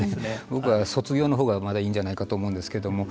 僕は、卒業のほうがまだいいんじゃないかと思うんですけど。